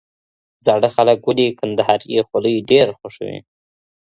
زاړه خلګ ولي کندهاري خولۍ ډېره خوښوي؟